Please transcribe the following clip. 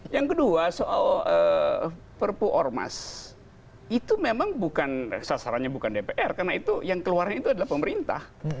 yang kedua soal perpu ormas itu memang bukan sasarannya bukan dpr karena itu yang keluarnya itu adalah pemerintah